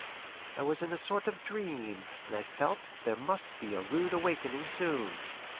I was in a sort of dream, and I felt there must be a rude awakening soon.